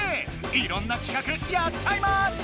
いろんな企画やっちゃいます！